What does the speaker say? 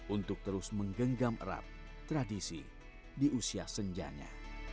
untuk terus menggenggam erat tradisi di usia senjanya